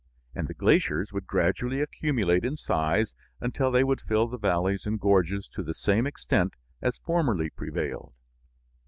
And the glaciers would gradually accumulate in size until they would fill the valleys and gorges to the same extent as formerly prevailed.